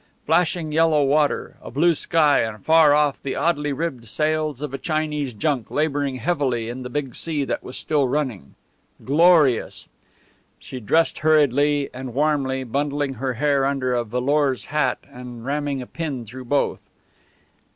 Flashing yellow water, a blue sky, and far off the oddly ribbed sails of a Chinese junk labouring heavily in the big sea that was still running. Glorious! She dressed hurriedly and warmly, bundling her hair under a velours hat and ramming a pin through both.